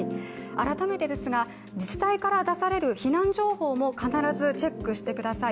改めてですが、自治体から出される避難情報も必ずチェックしてください。